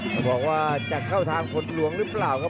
ต้องบอกว่าจะเข้าทางกดหลวงหรือเปล่าครับ